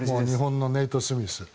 日本のネイト・スミス。